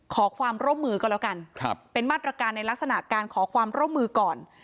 ขอความร่วมมือก็แล้วกันเป็นมาตรการในลักษณะการขอความร่วมมือก่อน